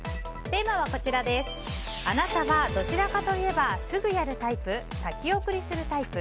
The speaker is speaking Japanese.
テーマはあなたは、どちらかといえばすぐやるタイプ？先送りするタイプ？